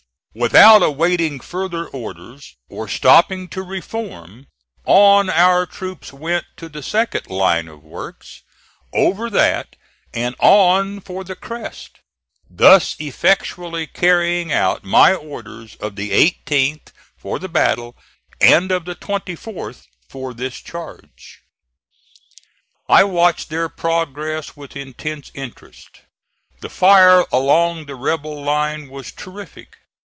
Without awaiting further orders or stopping to reform, on our troops went to the second line of works; over that and on for the crest thus effectually carrying out my orders of the 18th for the battle and of the 24th (*17) for this charge. I watched their progress with intense interest. The fire along the rebel line was terrific.